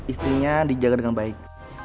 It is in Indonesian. istrinya dijaga dengan baik